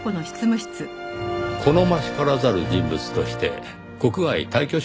好ましからざる人物として国外退去処分ですか。